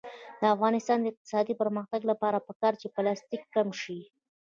د افغانستان د اقتصادي پرمختګ لپاره پکار ده چې پلاستیک کم شي.